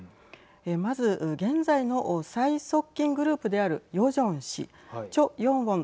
まず現在の最側近グループであるヨジョン氏チョ・ヨンウォン